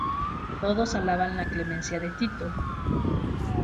Todos alaban la clemencia de Tito.